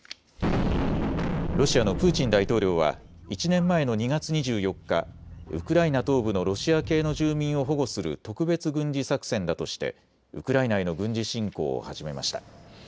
ロシアのプーチン大統領は１年前の２月２４日、ウクライナ東部のロシア系の住民を保護する特別軍事作戦だとしてウクライナへの軍事侵攻を始めました。